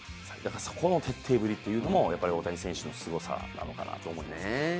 そこの徹底ぶりというのもやっぱり大谷選手のすごさなのかなと思います。